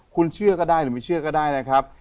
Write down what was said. คุณเชื่อก็ได้หรือไม่เชื่อก็ได้นะครับ